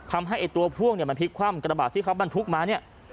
ทำให้ตัวพ่วงมันพลิกความกระบะที่เขาบันทุกมาเนี่ย